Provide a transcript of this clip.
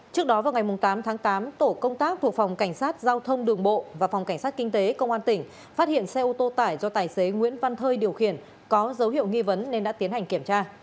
trước đó vào ngày tám tháng tám tổ công tác thuộc phòng cảnh sát giao thông đường bộ và phòng cảnh sát kinh tế công an tỉnh phát hiện xe ô tô tải do tài xế nguyễn văn thơi điều khiển có dấu hiệu nghi vấn nên đã tiến hành kiểm tra